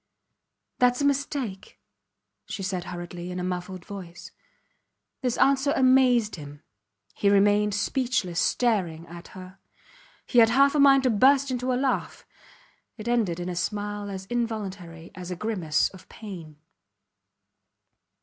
Thats a mistake, she said hurriedly, in a muffled voice. This answer amazed him. He remained speechless, staring at her. He had half a mind to burst into a laugh. It ended in a smile as involuntary as a grimace of pain.